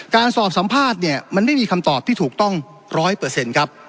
การสอบสัมภาษณ์เนี่ยมันไม่มีคำตอบที่ถูกต้อง๑๐๐ครับ